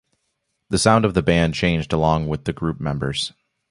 The sound of the band changed along with the group members.